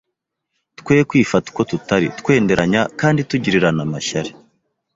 Twe kwifata uko tutari, twenderenya, kandi tugirirana amashyari